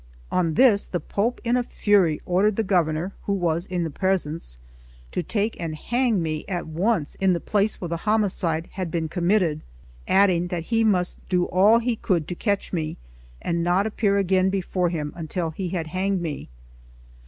On this the Pope in a fury ordered the Governor, who was in the presence, to take and hang me at once in the place where the homicide had been committed, adding that he must do all he could to catch me, and not appear again before him until he had hanged me.